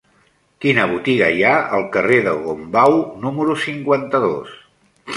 Quina botiga hi ha al carrer de Gombau número cinquanta-dos?